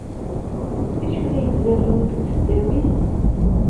D acu ay la izerrew deg tesdawit?